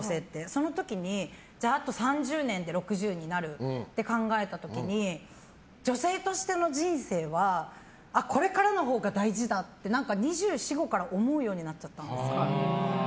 その時に、あと３０年で６０になると考えた時に女性としての人生はこれからのほうが大事だって２４２５から思うようになっちゃったんです。